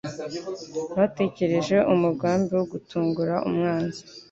Batekereje umugambi wo gutungura umwanzi